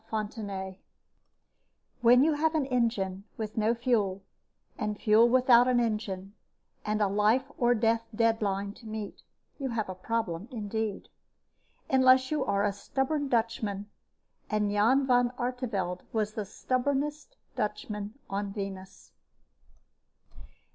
FONTENAY _When you have an engine with no fuel, and fuel without an engine, and a life and death deadline to meet, you have a problem indeed. Unless you are a stubborn Dutchman and Jan Van Artevelde was the stubbornest Dutchman on Venus.